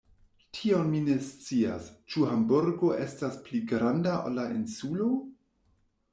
Tion mi ne scias; ĉu Hamburgo estas pli granda ol la Insulo?